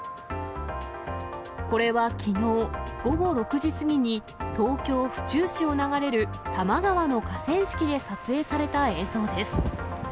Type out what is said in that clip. これはきのう午後６時過ぎに、東京・府中市を流れる多摩川の河川敷で撮影された映像です。